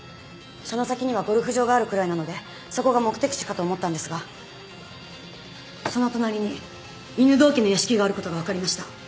その先にはゴルフ場があるくらいなのでそこが目的地かと思ったんですがその隣に犬堂家の屋敷があることが分かりました。